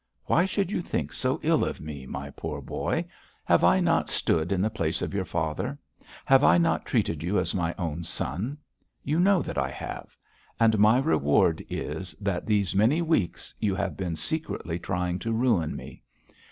Why should you think so ill of me, my poor boy? Have I not stood in the place of your father? Have I not treated you as my own son? You know that I have. And my reward is, that these many weeks you have been secretly trying to ruin me.